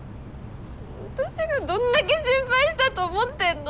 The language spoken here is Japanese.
私がどんだけ心配したと思ってんの。